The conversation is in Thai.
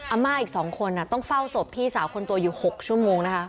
อาม่าอีก๒คนต้องเฝ้าศพพี่สาวคนโตอยู่๖ชั่วโมงนะคะ